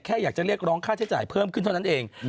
อยากจะเรียกร้องค่าใช้จ่ายเพิ่มขึ้นเท่านั้นเอง